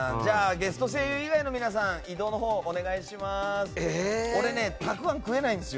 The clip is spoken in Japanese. ゲスト声優以外の皆さん移動のほう、お願いします。